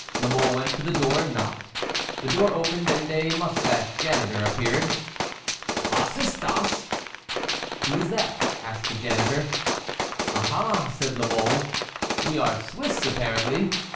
La Mole went to the door and knocked. The door opened and a mustached janitor appeared. "Was ist das?" (Who is that?) asked the janitor. "Ah! ah!" said La Mole, "we are Swiss, apparently."